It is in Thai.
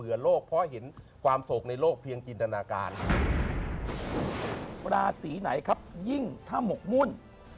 คือราหูตอนนี้โคจรอยู่ราศิษฐาน